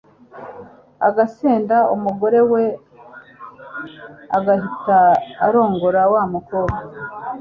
agasenda umugore we agahita arongora wa mukobwa